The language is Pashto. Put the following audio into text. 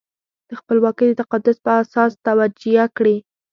د خپلواکۍ د تقدس په اساس توجیه کړي.